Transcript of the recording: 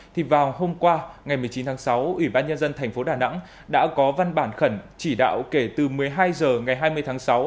thì vào hôm qua ngày một mươi chín tháng sáu ủy ban nhân dân thành phố đà nẵng đã có văn bản khẩn chỉ đạo kể từ một mươi hai h ngày hai mươi tháng sáu